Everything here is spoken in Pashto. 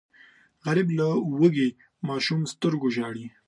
غریب له وږي ماشوم سترګو ژاړي